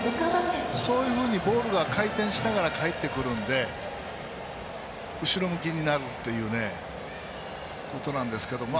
そういうふうにボールが回転しながらかえってくるんで後ろ向きになるということなんですけど。